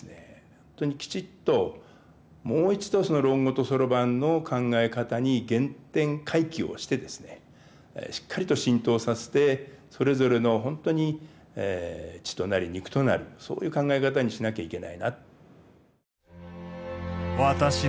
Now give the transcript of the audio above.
本当にきちっともう一度「論語と算盤」の考え方に原点回帰をしてですねしっかりと浸透させてそれぞれの本当に血となり肉となるそういう考え方にしなきゃいけないな。